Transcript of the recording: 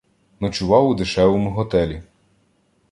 Ночував у дешевому готелі.